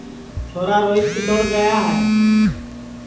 چھورا روہیت کِتوڑ گیا ہے